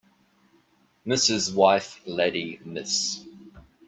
Mrs. wife lady Miss